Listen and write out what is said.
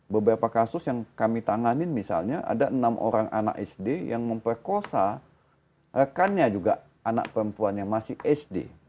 beberapa kasus yang kami tanganin misalnya ada enam orang anak sd yang memperkosa rekannya juga anak perempuan yang masih sd